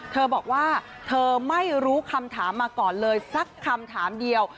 เธอบอกว่าเธอไม่รู้คำถามมาก่อนเลยสักคำถามเดียว